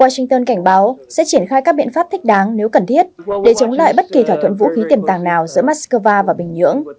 washington cảnh báo sẽ triển khai các biện pháp thích đáng nếu cần thiết để chống lại bất kỳ thỏa thuận vũ khí tiềm tàng nào giữa moscow và bình nhưỡng